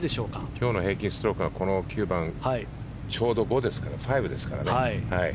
今日の平均ストロークがこの９番ちょうど５ですからね。